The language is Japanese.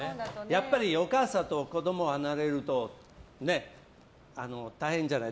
やっぱりお母さんと子供が離れると大変じゃない？